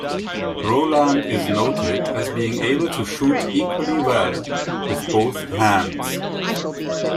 Roland is noted as being able to shoot equally well with both hands.